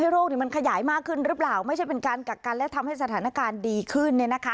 โรคนี้มันขยายมากขึ้นหรือเปล่าไม่ใช่เป็นการกักกันและทำให้สถานการณ์ดีขึ้น